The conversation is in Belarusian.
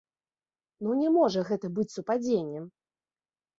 Ну, не можа гэта быць супадзеннем!